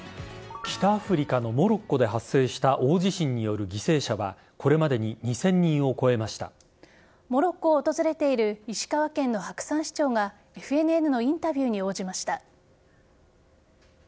北アフリカのモロッコで発生した大地震による犠牲者はこれまでにモロッコを訪れている石川県の白山市長がＦＮＮのインタビューに応じました。